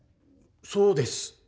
そうです！